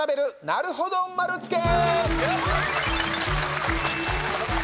なるほど丸つけ！